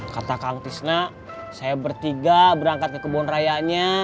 kata kakak tisna saya bertiga berangkat ke kebon rayanya